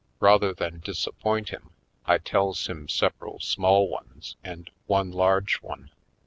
Rather than disappoint him, I tells him several small ones and one large one.